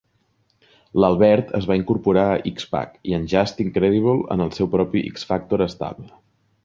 L'Albert es va incorporar a X-Pac i en Justin Credible en el seu propi X-Factor estable.